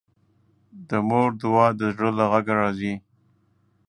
د مور دعا د زړه له غږه راځي